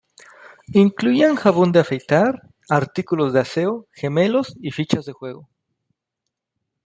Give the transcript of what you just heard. Incluían jabón de afeitar, artículos de aseo, gemelos y fichas de juego.